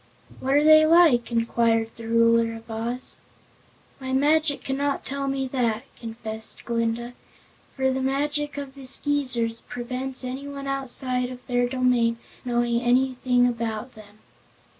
"What are they like?" inquired the Ruler of Oz. "My magic cannot tell me that," confessed Glinda, "for the magic of the Skeezers prevents anyone outside of their domain knowing anything about them."